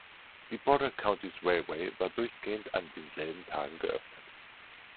Die Border Counties Railway war durchgehend an denselben Tagen geöffnet.